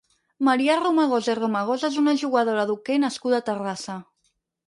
Maria Romagosa i Romagosa és una jugadora d'hoquei nascuda a Terrassa.